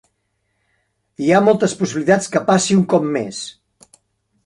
Hi ha moltes possibilitats que passi un cop més.